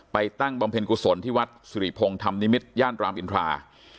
ตั้งบำเพ็ญกุศลที่วัดสุริพงศ์ธรรมนิมิตรย่านรามอินทรา